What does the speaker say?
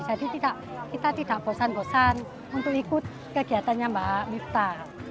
jadi kita tidak bosan bosan untuk ikut kegiatannya mbak mipta